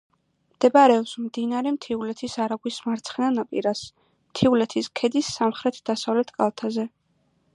მდებარეობს მდინარე მთიულეთის არაგვის მარცხენა ნაპირას, მთიულეთის ქედის სამხრეთ-დასავლეთ კალთაზე.